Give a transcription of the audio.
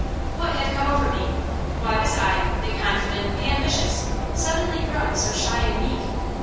What had come over me? Why was I, the confident, the ambitious, suddenly grown so shy and meek?